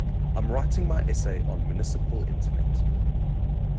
I'm writing my essay on municipal internet.